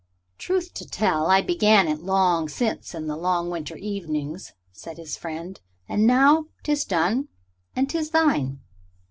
"Truth to tell, I began it long since in the long winter evenings," said his friend, "and now 'tis done and 'tis thine.